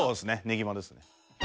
ねぎまですね